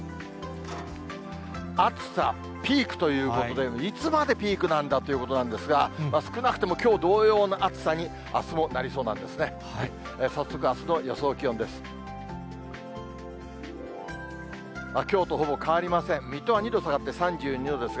暑さピークということで、いつまでピークなんだということなんですが、少なくともきょう同様の暑さにあすもなりそうなんですね。